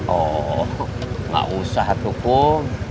oh gak usah tuh kum